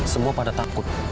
semua pada takut